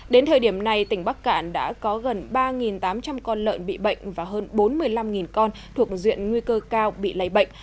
đến thời điểm này tỉnh bắc cạn đã có gần ba tám trăm linh con lợn bị bệnh và hơn bốn mươi năm con thuộc duyện nguy cơ cao bị lây bệnh